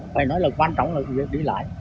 phải nói là quan trọng là việc đi lại